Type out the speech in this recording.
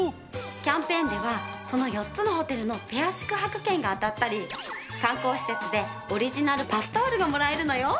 キャンペーンではその４つのホテルのペア宿泊券が当たったり観光施設でオリジナルパスタオルがもらえるのよ。